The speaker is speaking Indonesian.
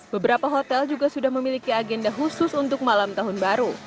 beberapa hotel juga sudah memiliki agenda khusus untuk malam tahun baru